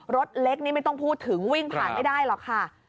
รถเล็กนี่ไม่ต้องพูดถึงวิ่งผ่านไม่ได้หรอกค่ะ